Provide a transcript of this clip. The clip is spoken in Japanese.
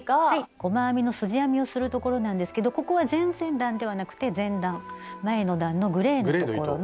細編みのすじ編みをするところなんですけどここは前々段ではなくて前段前の段のグレーのところの。